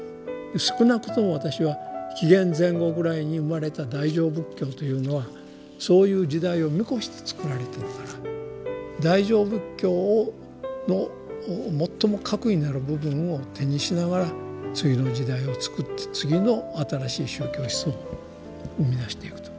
少なくとも私は紀元前後ぐらいに生まれた大乗仏教というのはそういう時代を見越してつくられているから大乗仏教の最も核になる部分を手にしながら次の時代をつくって次の新しい宗教思想を生み出していくと。